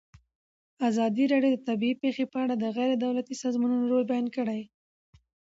ازادي راډیو د طبیعي پېښې په اړه د غیر دولتي سازمانونو رول بیان کړی.